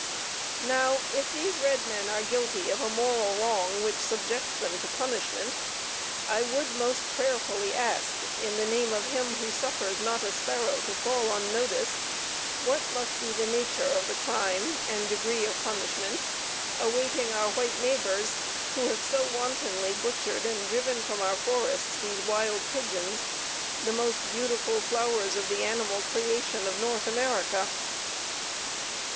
Now, if these red men are guilty of a moral wrong which subjects them to punishment, I would most prayerfully ask in the name of Him who suffers not a sparrow to fall unnoticed, what must be the nature of the crime and degree of punishment awaiting our white neighbors who have so wantonly butchered and driven from our forests these wild pigeons, the most beautiful flowers of the animal creation of North America.